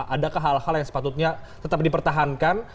adakah hal hal yang sepatutnya tetap dipertahankan